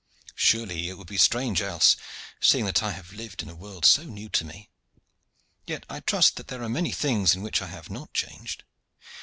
"Surely it would be strange else, seeing that I have lived in a world so new to me. Yet I trust that there are many things in which I have not changed.